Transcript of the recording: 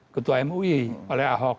ketua mui oleh ahok